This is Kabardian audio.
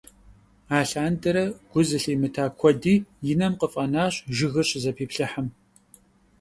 Алъандэрэ гу зылъимыта куэди и нэм къыфӀэнащ жыгыр щызэпиплъыхьым.